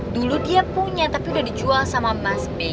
dulu dia punya tapi udah dijual sama mas b